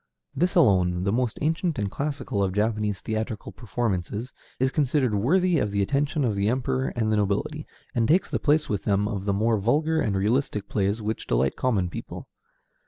This alone, the most ancient and classical of Japanese theatrical performances, is considered worthy of the attention of the Emperor and the nobility, and takes the place with them of the more vulgar and realistic plays which delight common people.